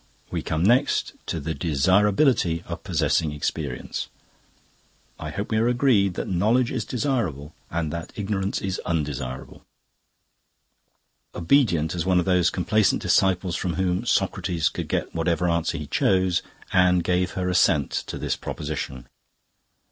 "We come next to the desirability of possessing experience. I hope we are agreed that knowledge is desirable and that ignorance is undesirable." Obedient as one of those complaisant disciples from whom Socrates could get whatever answer he chose, Anne gave her assent to this proposition.